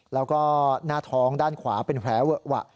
แล้วก็หน้าท้องด้านขวาเป็นแผลเวอะหวะ